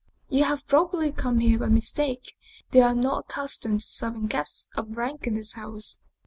" You have probably come here by mistake. They are not accustomed to serving guests of rank in this house."